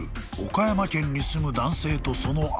岡山県に住む男性とその兄］